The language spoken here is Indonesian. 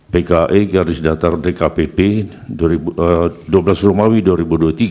pki garis datar dkpp dua belas romawi dua ribu dua puluh tiga